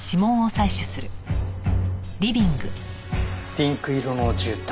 ピンク色の絨毯。